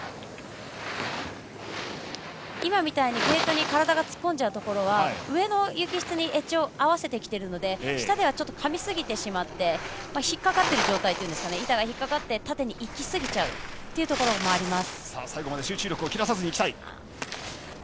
ゲートに体が突っ込んじゃうところは上の雪質にエッジを合わせてきているので下では、かみすぎてしまって引っかかっている状態というか板が引っかかっていきすぎちゃうというところもあります。